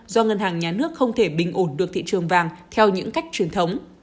do ngân hàng nhà nước không thể bình ổn được thị trường vàng theo những cách truyền thống